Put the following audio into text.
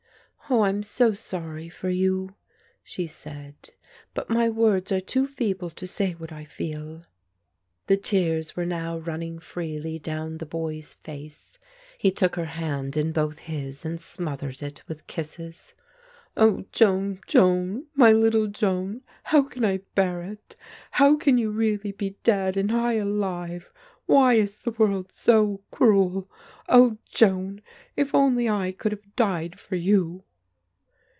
"Oh, I am so sorry for you," she said, "but my words are too feeble to say what I feel." The tears were now running freely down the boy's face, he took her hand in both his and smothered it with kisses. "Oh, Joan, Joan, my little Joan, how can I bear it? How can you really be dead and I alive? Why is the world so cruel? Oh, Joan, if only I could have died for you."